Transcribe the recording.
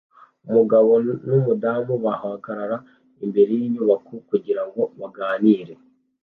Umugabo numudamu bahagarara imbere yinyubako kugirango baganire